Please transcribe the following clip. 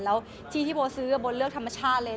แล้วที่ที่โบซื้อโบเลือกธรรมชาติเลย